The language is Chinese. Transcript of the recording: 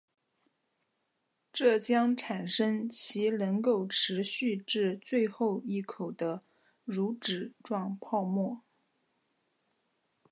这将产生其能够持续至最后一口的乳脂状泡沫。